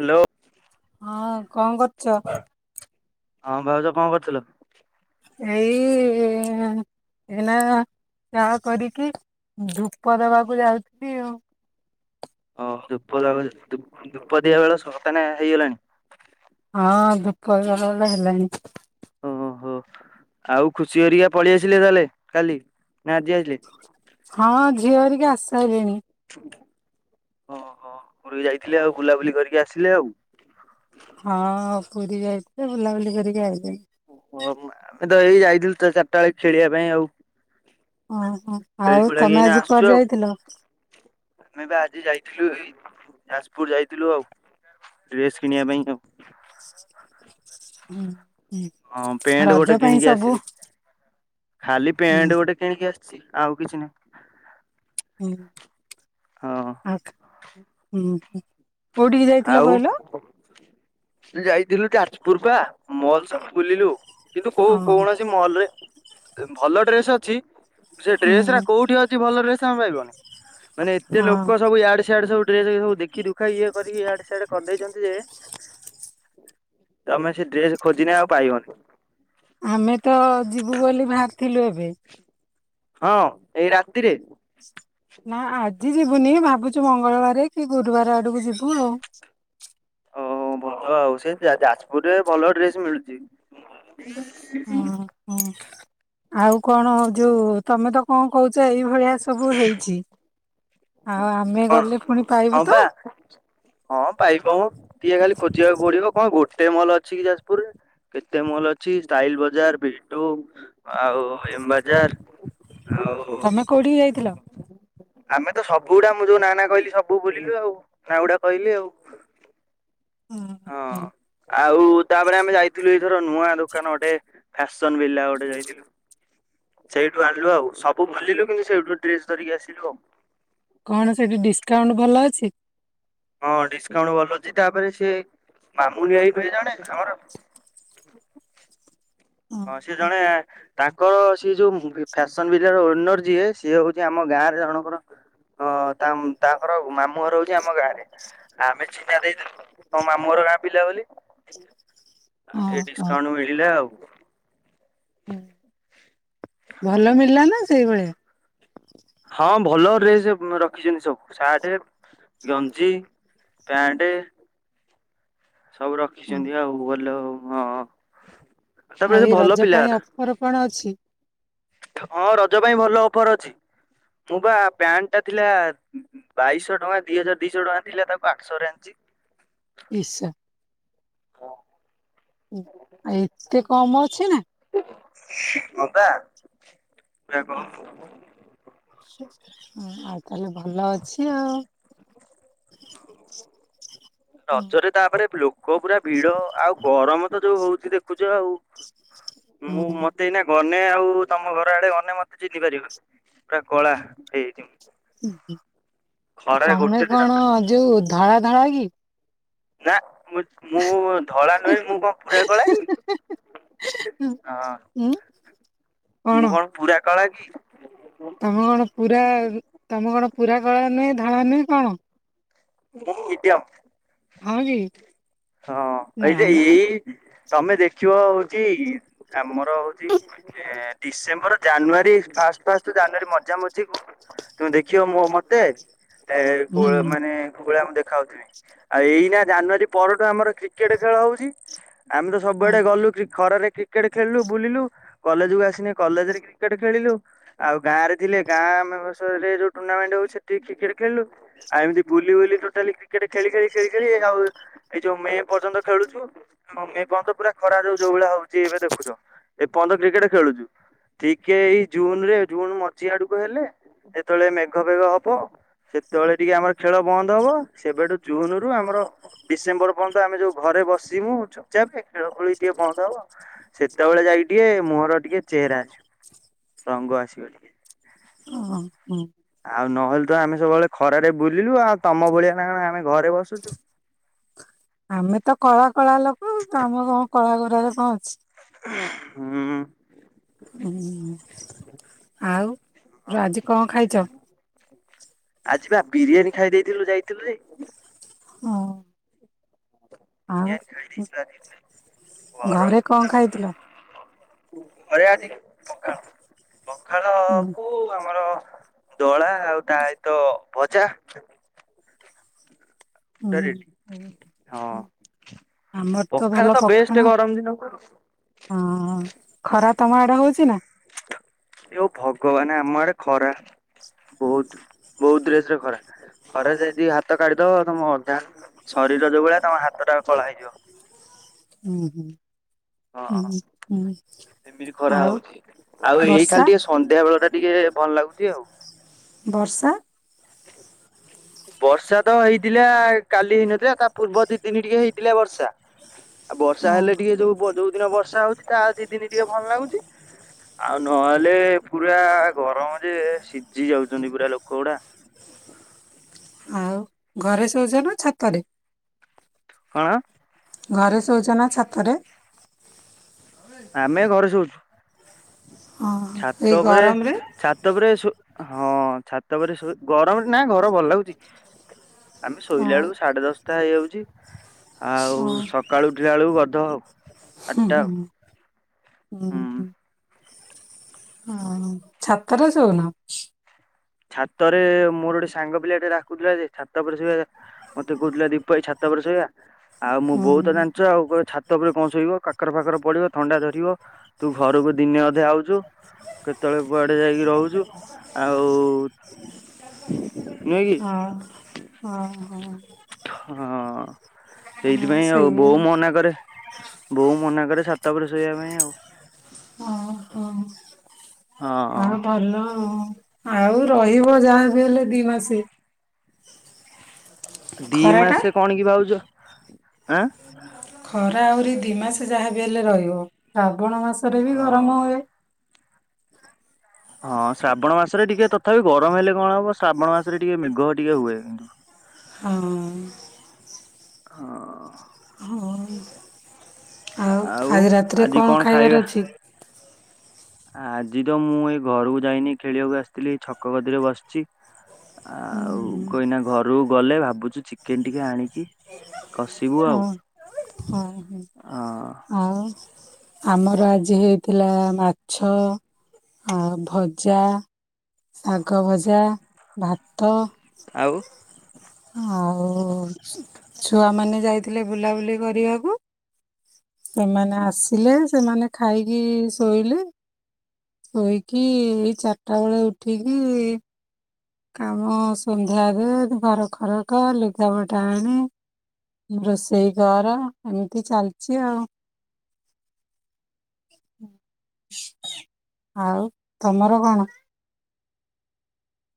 Hello ହଁ କଣ କରୁଚ? ହଁ ଭାଉଜ, କଣ କରିଥିଲ? ଏଇ, ଏନା, ଚା କରିକି ଧୂପ ଦବାକୁ ଯାଉଥିଲି, ଆଉ। ଓଃ, ଧୂପ ଦ [unintelligible] ଧୂ ଧୂପ ଦିଆ ବେଳ, ସତାନେ ହେଇଗଲାଣି? ହଁ, ଦୁଃଖ [unintelligible] ହେଲାଣି। ଓ ହୋ ଆଉ ଖୁସି ହେରିକା ପଳେଇ ଆସିଲେ ତାହେଲେ କାଲି ନା ଆଜି ଆସିଲେ? ହଁ ଝିଅ ହେରିକା ଆସି ସାରିଲେଣି। ହଁ ହଁ। ବୁଲି ଯାଇଥିଲେ ଆଉ ବୁଲାବୁଲି କରିକି ଆସିଲେ ଆଉ। ହଁ। ଏ ତ ଏଇ ଯାଇଥିଲୁ ତ ଚାରିଟା ବେଳକୁ ଖେଳିବା ପାଇଁ ଆଉ। ଓହୋ, ଖେଳି ଆଉ ଖୁଳାକି ତମେ ଏଇନା ଆଜି ଆସୁଛୁ କୁଆଡେ ଆଉ। ଯାଇଥିଲ? ଆମେ ବା ଆଜି ଯାଇଥିଲୁ ଏଇ ଯାଜପୁର ଯାଇଥିଲୁ ଆଉ, ଡ୍ରେସ କିଣିବା ପାଇଁ ଆଉ। ହୁଁ। ହଁ ପ୍ୟାଣ୍ଟ ରଜ ଗୋଟେ ପାଇଁ କିଣିକି ସବୁ ଆସିଲି, ଖାଲି ହୁଁ ପ୍ୟାଣ୍ଟ ଗୋଟେ କିଣିକି ଆସି ଆଉ କିଛି ନାହିଁ। ହୁଁ। ହଁ ଆ ହୁଁ। ହ୍। କୋଉଠିକି ଯାଇଥିଲ କହିଲ? ଆଉ ଯାଇଥିଲୁ ଯାଜପୁର ପା, ମଲ ସବୁ ବୁଲିଲୁ। କିନ୍ତୁ କୋଉ ହଁ କୌଣସି ମଲ୍ ରେ ଭଲ ଡ୍ରେସ୍ ଅଛି। ସେ ଡ୍ରେସଟା ହଁ କୋଉଠି ଅଛି ଭଲ ଡ୍ରେସ? ପାଇବନି। ମାନେ ଏତେ ଲୋକ ହଁ ସବୁୟାଡେ ସୀୟାଡେ ସବୁ ସବୁ ଦେଖି ଦୁଖା ଇଏ କରିକି ଆଡେ ସିଆଡେ କରିଦେଇଛନ୍ତି ଯେ ତମେ ସେ ଡ୍ରେସ ଖୋଜିିଲେ ଆଉ ପାଇବନି। ଆମେ। ତ ଯିବୁ ବୋଲି ଭାବିଥିଲୁ ଏବେ ବେ ହଁ ଏଇ ରାତିରେ। ନା ଆ ଆଜି ଯିବୁନି ଭାବୁଛୁ ମଙ୍ଗଳବାର କି ଗୁରୁବାର ଆଡକୁ ଯିବୁ। ଗୁରୁ। ଓ ଭଲ ଆଉ ସେ ଯାଜପୁରରେ ଭଲ ଡ୍ରେସ୍ ମିଳୁଛି। ହଁ ହୁଁ। ଆଉ କଣ ହଉ ଯୋଉ ତମେ ତ କଣ କହୁ ତ ଏଇଭଳିଆ ସବୁ ହେଇଛି। ଆଉ ଆମେ କଣ, ଗଲେ ପୁଣି ପାଇବୁ ହଁ ତ ବା ହଁ ପାଇବ, ଟିକେ ଖାଲି ଖୋଜିବାକୁ ପଡିବ କଣ କୋଉଠି। କେତେ ମଲ୍ ଅଛି କି ଯାଜପୁରରେ, କେତେ ମଲ୍ ଅଛି ଷ୍ଟାଇଲ ବଜାର, ଭି ଟୁ। ଆଉ ଏମ୍ବାଜାର ଆଉ ତମେ କୋଉଠିକି ଯାଇଥିଲ? ଆମେ ତ ସବୁ ଗୁଡା ମୁଁ ଯୋଉ ନ ନାା କହିଲି ସବୁ ବୁଲିଲୁ ଆଉ ନା ଗୁଡା କହିଲି ଆଉ ହଁ ହଁ ଆଉ ତାପରେ ଆମେ ଯାଇଥିଲୁ ଏଇଥର ନୂଆ ଦୋକାନ ଗୋଟେ ଫ୍ୟାସନ ବ ଗୋଟେ ଯାଇଥିଲୁ ସେଇଠୁ ଆଣିଲୁ ଆଉ ସବୁ ଭଲିଲୁ କିନ୍ତୁ ସେଇଠୁ ଡ୍ରେସ ଧରିକି ଆସିଲୁ ଆଉ କଣ ସେଠି ଡିସ୍ କାଉଣ୍ଟ ଭଲ ଅଛି? ହଁ ଡିସକାଉଣ୍ଟ ଭଲ ଅଛି ତାପରେ ସେ ମାମୁନଆ ଜଣେ ଆମର ହଁ ସେ ଜଣେ ତାଙ୍କର ସିଏ ଯୋଉ ଫ୍ୟାସନ ବିିଲ ର ଏନର୍ଜି ସିଏ ହଉଛି ଆମ ଗାଁରେ ଜଣଙ୍କର ତାଙ୍କର ମାମୁଁ ଘର ହଉଛି ଆମ ଗାଁରେ ଆମେ ଚିହ୍ନା ଦେଇଥିଲୁ ତମ ମାମୁଁ ଘର ଗାଁ ପିଲା ବୋଲି ଆଉ ଟିକେ ଓହୋ ଡିସକାଉଣ୍ଟ ମିଳିଲା ଆଉ ହୁଁ ଭଲ ହଁ ମଳିଲା ନା ସେଇଭଳିଆ ହଁ ଭଲ ଡ୍ରେସ୍ ରଖିଛନ୍ତି ସବୁ ସାର୍ଟ ଗଞ୍ଜି ପ୍ୟାଣ୍ଟ ସବୁ ରଖିଛନ୍ତି ଆଉ ଗଲେ ଆଉ ହଁ ତାପରେ ଆଉ ସେ ଏଇ ଭଲ ରଜ ପାଇଁ ପିଲାରା ଅଫର କଣ ଅଛି ହଁ ରଜ ପାଇଁ ଭଲ ଅଫର ଅଛି ମୁଁ ବା ପ୍ୟାଣ୍ଟ ଟା ଥିଲା ବାଇଶଶହ ଟଙ୍କା ଦି ହଜାର ଦିଶହ ଟଙ୍କା ଥିଲା ତାକୁ ଆଠଶହରେଞ୍ଚ ଶା ଏତେ କମ ଅଛି ନା ମତା ବଖୁ ହ ଆଚ୍ଛା ତାହେଲେ ଭଲ ଅଛି ଆଉ ରଜରେ ତାପରେ ଲୋକ ପୁରା ଭିଡ ଆଉ ଗରମ ତ ଯୋଉ ହଉଛି ଦେଖୁଛ ଆଉ ମୁଁ ମତେ ଏଇନା ଗ ଅନେ ଆଉ ତମ ଘର ଆଡେ ଅେ ମତେ ଜିନ୍ଧି ପାରିବ ପୁରା କଳା ହେଇଯାଇଛି ହୁଁ ହୁଁ ଖରାରେ ଗୋଟେ ତମେ ଦିନ କଣ ଯୋଉ ଧଳା ଧଳା କି ହଁ ନା। ମୁଁ ମୁଁ ଧଳା ନୁହେଁ ମୁଁ କଣ ପୁରା କଳା କି ହଁ। ଉଁ ମୁଁ କଣ ପୁରା କଳା କି? ତମେ କଣ ପୁରା ତମେ। ପୁରା କଳା ନୁହେଁ ଧଳା ନୁହେଁ କଣ? ମୁଁ ମିଡିଅମ୍। ହଁ କି ହଁ ନା ଏଇ ନା ଏଇ ତମେ ଦେଖିବ ହଉଛି ଆମର ତ ହଉଛି ଏ December January first first January ମଝିଆ ମଝୀକୁ ତମେ ଦେଖିବ ମୋ ମତେ। ଏ କୋଳ ହୁଁ ମାନେ କୋଉ ଭଳିଆ ମୁଁ ଦେଖାଉଥିବି ଆଉ ଏଇ ନା ଜାନୁଆରୀ ପରଠୁ ଆମର କ୍ରିକେଟ ଖେଳ ହଉଛି। ଆମେ ତ ହଁ ସବୁଆଡେ ଗଲୁ କ୍ରି ଖରାରେ। କ୍ରିକେଟ ଖେଳିଲୁ ବୁଲିଲୁ କଲେଜ କୁ ଆସିନି କଲେଜରେ କ୍ରିକେଟ ଖେଳିଲୁ ଆଉ ଗାଁ ରେ ଥିଲେ ଗାଁରେ ଯୋଉ ଟୁର୍ଣ୍ଣାମେଣ୍ଟ ହଉଛି ସେଠି କ୍ରିକେଟ ଖେଳିଲୁ ଆଉ ଏମତି ବୁଲି ବୁଲି ଟୋଟାଲି କ୍ରିକେଟ୍ ଖେଳି ଖେଳି ଖେଳି ଆଉ ଏଇ ଯୋଉ ମେ ପର୍ଯ୍ୟନ୍ତ ଖେଳୁଛୁ ମେ ପର୍ଯ୍ୟନ୍ତ ପୁରା ଖରା ଯ ଯୋଉ ଭଳିଆ ହଉଛି ଏବେ ଦେଖୁଛ ଏ ପର୍ଯ୍ୟନ୍ତ କ୍ରିକେଟ ଖେଳୁଛୁ ଟିକେ ଏଇ ଜୁନ ରେ ଜୁନ ମଝି ଆଡକୁ ହେଲେ ଯେତେବେଳେ ମେଘ ଫେଘ ହବ ସେତେବେଳେ ଟିକେ ଆମେ ଖେଳ ବନ୍ଦ ହବ ସେବେଠୁ ଜୁନୁ ଆମର ଡିସେମ୍ବର ପର୍ଯ୍ୟନ୍ତ ଆମେ ଯୋଉ ଘରେ ବସିବୁ ଚୁପ ଚାପ ଖେଳା ଖେଳି ଟିକେ ବନ୍ଦ ହବ ସେତେବେଳେ ଯାଇକି ଟିକେ ମୁହଁରେ ଟିକେ ଚେହେରା ଆସିବ ରଙ୍ଗ ଆସିବ ଟିକେ। ହଁ ହୁଁ। ଆଉ ନହେଲେ ତ ଆମେ ସବୁବେଳେ ଖରାରେ ବୁଲିଲୁ ଆଉ ତମ ଭଳିଆ ନା କଣ ଆମେ ଘରେ ବସୁଛୁ। ଆମେ ତ କଳା କଳା ଲୋକ ଆମ କଣ କଳା କ ଘରେ କଣ ଅଛି? ହୁଁ। ହୁଁ ଆଉ ଆଜି କଣ ଖାଇଛ? ଆଜି ବା ବିରିୟାନୀ ଖାଇ ଦେଇେଇଥିଲୁ ଯାଇଥିଲୁ ଯେ। ହଁ। ବିରିୟାନୀ ଆଉ ଖାଇ ଦେଇଥିଲୁ ଆଜି। ଗରମ ଘରେ କଣ ଖାଇଥିଲ? ଘରେ ଆଜି ପଖାଳ ପଖାଳ ହୁଁ କୁ ଆମର ଦଳା ଆଉ ତା ସହିତ ଭଜା। ହୁଁ ହଁ ପଖାଳ ତ ବେଷ୍ଟ ଗରମ ଦିନକୁ। ହଁ ଖରା ତମ ଆଡେ ହଉଛି ନା। ଏଉ ଭଗବାନ ଆମ ଆଡେ ଖରା ବହୁତ ବହୁତ ଜୋସ ରେ ଖରା ଖରା ଯଦି ହାତ କାଢିଦବ ତମ ଅଧା ଶରୀର ଯୋଉ ଭଳିଆ ତମ ହାତଟା କଳା ହେଇଯିବ। ହୁଁ ହୁଁ। ହୁଁ ହୁଁ ଆଉ ବର୍ଷା? ହଁ। ବର୍ଷା [unintelligible] ବର୍ଷା ତ ହେଇଥିଲା କାଲି ହେଇନଥିଲା ତା ପୂର୍ବ ଦିଦିନି ଟିକେ ହେଇଥିଲା ବର୍ଷା। ଆଉ ବର୍ଷା ହେଲେ ହଁ ଟିକେ ଯୋଉ ଯୋଉ ଦିନ ବର୍ଷା ହଉଛି ତା ଦି ଦିନ ଟିକେ ଭଲ ଲାଗୁଛି ଆଉ ନହେଲେ ପୁରା ଗରମ ଯେ ସିଝି ଯାଉଛନ୍ତି ପୁରା ଲୋକ ଗୁଡା। ଆଉ ଘରେ ଶଉଛ ନା ଛାତରେ। କଣ? ଘରେ ଶୋଛ ନା ଛାତରେ। ଆମେ ଘରେ ଶଉଛୁ। ଓହୋ ଏଇ ଛାତ ଉପରେ ଗରମରେ ଛାତ ଉପରେ ସୋ ହଁ ଛାତ ପରେ ସୋ ଗରମରେ ନା ଘର ଭଲ ଲାଗୁଛି। ଆମେ ଶୋଇଲା ଓହୋ ବେଳୁ ସାଢେ ଦଶଟା ହେଇଯାଉଛି। ଜ। ଆଉ ହୁଁ ସକାଳୁ ଉଠିଲା ବେଳକୁ କ ତ ହୁଁ ହଁ ହ ହୁଁ ହଁ। ହ ଛାତରେ ସୋଉନ। ଛାତରେ ମୋର ଗୋଟେ ସାଙ୍ଗ ପିଲା ଟେ ଡ଼ାକୁଥିଲା ଯେ ଛାତ ଉପରେ ଶୋଇବା ମତେ କହୁଥିଲେ ଦୀପଇ ଛାତ ବରେ ଶୋଇଆ ଆଉ ମୁଁ ହୁଁ ବହୁତ ଜାଣିଛ ଆଉ ଛା ଅତ ଉପରେ କଣ ଶୋଇବ କାକର ଫାକର ପଡିବ ଥଣ୍ଡା ଧରିବ, ତୁ ଘରକୁ ଦିନେ ଅଧେ ଆଉଚୁ, କେତେବେଳେ କୁଆଡେ ଯାଇକି ରଉଚୁ ଆଉ ବହୁତ ହଁ ହ ହୋ। ହୁଁ। ସେଇଥିପାଇଁ ଆଉ ସେଇଆ ବୋଉ ମନା କରେ। ବୋଉ ମନା କରେ ସାତ ପରେରେ ଶୋଇବା ପାଇଁ ଆଉ। ଓ ହ। ହଁ ଭଲ ଆଉ ଆଉ ରହିବ ଯାହା ଆ ହେଲେ ଦି ମାସେ। ଦି ଖରାଟା ମାସେ କଣ କି ଭାଉଜ? ଆଁ। ଖରା ଆହୁରି ଦି ମାସ ଯାହା ବି ହେଲେ ରହିବ। ଶ୍ରବଣ ମାସରେ ବି ହଁ। ଗରମ ହୁଏ। ହଁ ଶ୍ରାବଣ ମାସରେ ଟିକେ ତଥାପି ଗରମ ହେଲେ କଣ ହବ ଶ୍ରାବଣ ମାସରେ ଟିକେ ମେଘ ଟିକେ ହୁଏ କିନ୍ତୁ ହଁ। ହଁ। ହଁ। ଆଉ ଆଜି ରାତିରେ କଣ ଖାଇବାର ଅଛି। ଆଜି ତ ମୁଁ ଏଇ ଘରକୁ ଯାଇନି ଖେଳିବାକୁ ଆସିଥିଲି ଛକ ଗଦିରେ ବସିଛି। ଆଉ ହୁଁ କହିଇନା ଘରୁ ଗଲେ ଭାବୁ ଚିକେନ ଟିକେ ଆଣିକି କଷିବୁ ହଁ ଆଉ। ହଁ ହଁ ହଁ ଆଉ ଆମର ଆଜି ହେଇଥିଲା ମାଛ ଆ ଭଜା ଶାଗ ଭଜା ଭା ଆଉ? ଆଉ ଛୁଆମାନୋନ ଯାଇଥିଲେ ବୁଲାବୁଲି କରିବାକୁ ସେମାନେ ଆସିଲେ ସେମାନେ ଖାଇକି ଶୋଇଲେ ଶୋଇକି ଏଇ ଚାରିଟା ବେଳେ ଉ ଠିକି ଇ କାମ ସନ୍ଧ୍ୟା ଦୁ ଘର ଖରକ ଲୁଗା ପଠା ଆଣି ରୋଷେଇ କର ଏମିତି ଚାଲିଛି ଆଉ [inaudible] ଆଉ ତମର କଣ?